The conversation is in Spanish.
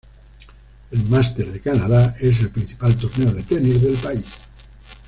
El Masters de Canadá es el principal torneo de tenis del país.